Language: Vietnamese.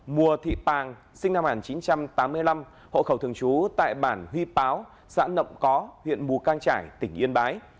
mùa thị pàng sinh năm một nghìn chín trăm tám mươi năm hộ khẩu thường trú tại bản huy táo xã nậm có huyện mù cang trải tỉnh yên bái